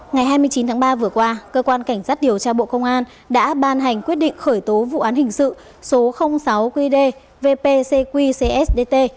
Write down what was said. ngày hai mươi chín tháng ba vừa qua cơ quan cảnh sát điều tra bộ công an đã ban hành quyết định khởi tố vụ án hình sự số sáu qd vpcqcsdt